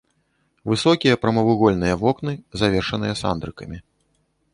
Высокія прамавугольныя вокны завершаныя сандрыкамі.